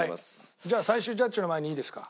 じゃあ最終ジャッジの前にいいですか？